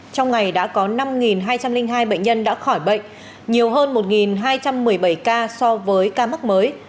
trong ngày đã có năm hai trăm linh hai bệnh nhân đã khỏi bệnh nhiều hơn một hai trăm một mươi bảy ca so với ca mắc mới